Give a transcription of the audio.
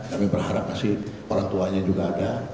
kami berharap masih orang tuanya juga ada